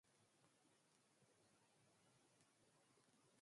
Trowbridge Primary School.